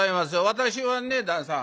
私はね旦さん